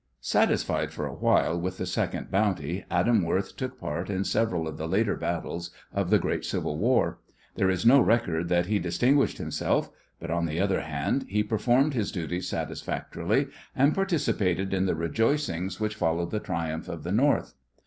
Satisfied for a while with the second bounty, Adam Worth took part in several of the later battles of the great Civil War. There is no record that he distinguished himself, but, on the other hand, he performed his duties satisfactorily, and participated in the rejoicings which followed the triumph of the North.